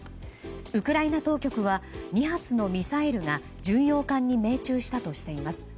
ウクライナ当局は２発のミサイルが巡洋艦に命中したとしています。